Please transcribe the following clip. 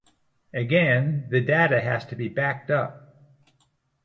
Again, the data has to be backed up.